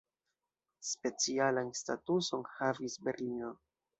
Specialan statuson havis Berlino.